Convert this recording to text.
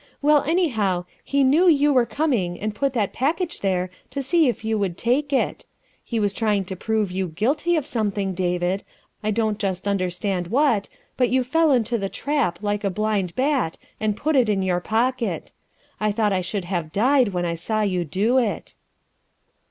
Well, anyhow, he knew you were coming and put that package there to see if you would take it. He was trying to prove you guilty of something, David, I don't just understand what, but you fell into the trap like a blind bat and put it in your pocket. I thought I should have died when I saw you do it."